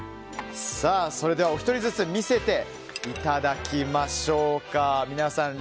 それでは、お一人ずつ見せていただきましょうか。